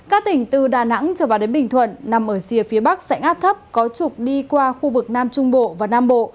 các tỉnh từ đà nẵng trở vào đến bình thuận nằm ở rìa phía bắc dãnh áp thấp có trục đi qua khu vực nam trung bộ và nam bộ